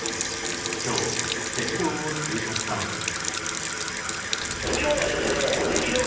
今日、赤道を通過したのです。